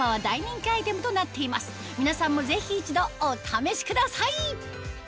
皆さんもぜひ一度お試しください